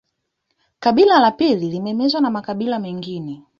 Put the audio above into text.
Kabila la pili limemezwa na makabila mengine